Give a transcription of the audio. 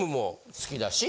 好きだし。